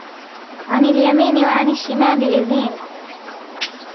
عن اليمين وعن الشمال عزين